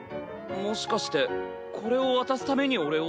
もしかしてこれを渡すために俺を。